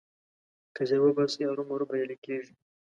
که زيار وباسې؛ هرو مرو بريالی کېږې.